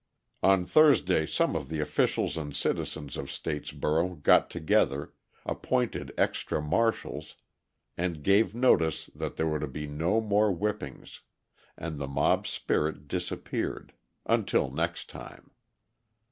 On Thursday some of the officials and citizens of Statesboro got together, appointed extra marshals, and gave notice that there were to be no more whippings, and the mob spirit disappeared until next time.